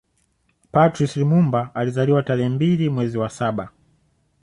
Patrice Lumumba alizaliwa tarehe mbili mwezi wa saba